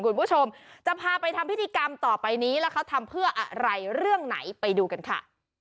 คุณผู้ชมจะพาไปทำพิธีกรรมต่อไปนี้แล้วเขาทำเพื่ออะไรเรื่องไหนไปดูกันค่ะ